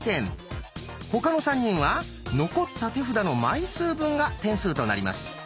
他の３人は残った手札の枚数分が点数となります。